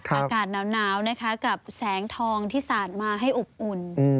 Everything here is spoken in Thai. อากาศหนาวนะคะกับแสงทองที่สาดมาให้อบอุ่น